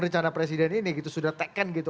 rencana presiden ini sudah teken gitu